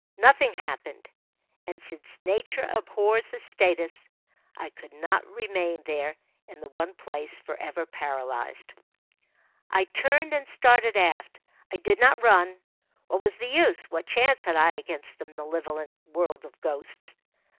Nothing happened. And, since nature abhors a status, I could not remain there in the one place forever paralysed. I turned and started aft. I did not run. What was the use? What chance had I against the malevolent world of ghosts?